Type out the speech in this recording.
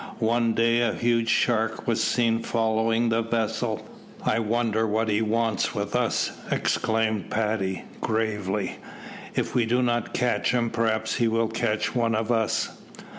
One day a huge shark was seen following the vessel. "I wonder what he wants with us?" exclaimed Paddy, gravely. "If we do not catch him, perhaps he will catch one of us."